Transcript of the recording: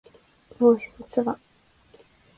帽子のつば